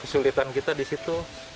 kesulitan kita di situ